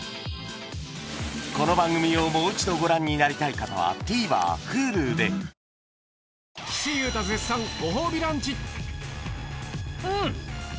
この番組をもう一度ご覧になりたい方はＴＶｅｒＨｕｌｕでお？